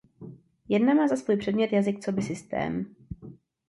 Jedna má za svůj předmět jazyk coby systém.